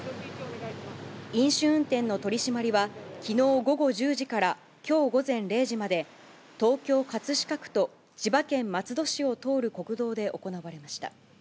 飲酒運転の取締りはきのう午後１０時からきょう午前０時まで、東京・葛飾区と千葉県松戸市を通る国道で行われました。